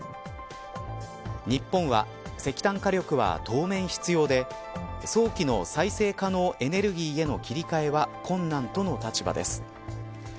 日本は、石炭火力は当面必要で早期の再生可能エネルギーへの切り替えは困難との立場です。